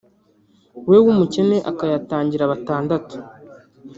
we w’umukene akayatangira batandatu